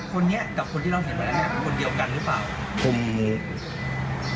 คนนี้กับคนที่เราเห็นวันนั้นเนี้ยคนเดียวกันหรือเปล่าผม